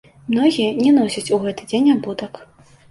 Многія не носяць у гэты дзень абутак.